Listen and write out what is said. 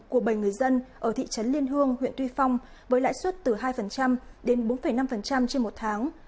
của bảy người dân ở thị trấn liên hương huyện tuy phong với lãi suất từ hai đến bốn năm trên một tháng